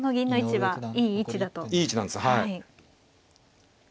はい。